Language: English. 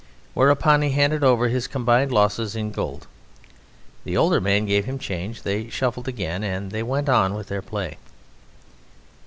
Whereupon he handed over his combined losses in gold, the older man gave him change, they shuffled again, and they went on with their play.